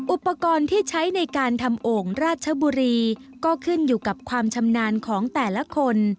อุปกรณ์ที่ใช้ในการทำโอ่งราชบุรีก็ขึ้นอยู่กับความชำนาญของแต่ละคน